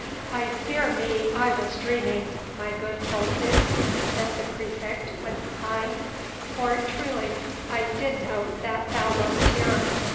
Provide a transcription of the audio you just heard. "I fear me I was dreaming, my good Folces," said the praefect with a sigh, "for truly I did know that thou wast here.